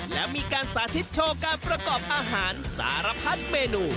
และมีการสาธิตโชว์การประกอบอาหารสารพัดเมนู